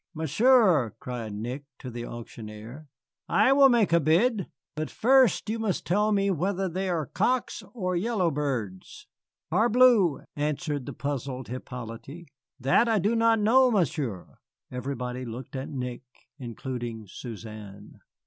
"Monsieur," cried Nick to the auctioneer, "I will make a bid. But first you must tell me whether they are cocks or yellow birds." "Parbleu," answered the puzzled Hippolyte, "that I do not know, Monsieur." Everybody looked at Nick, including Suzanne.